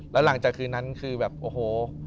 แล้วหลังจากคืนนั้นคือแบบโอ้โห